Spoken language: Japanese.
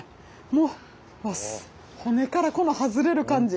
もう骨からこの外れる感じ。